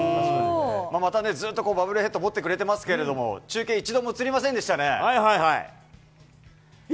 またね、ずっとバブルヘッド持ってくれてますけど、中継、一度も映りませはい